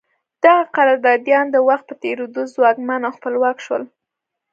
دغه قراردادیان د وخت په تېرېدو ځواکمن او خپلواک شول.